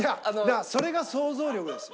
それが想像力ですよ。